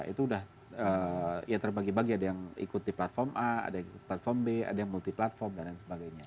itu udah ya terbagi bagi ada yang ikut di platform a ada yang platform b ada yang multi platform dan lain sebagainya